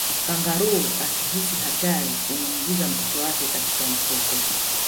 kangaroo akihisi hatari humuingiza mtoto wake katika mfuko